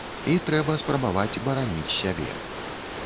І трэба спрабаваць бараніць сябе.